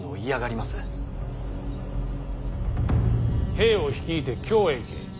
兵を率いて京へ行け。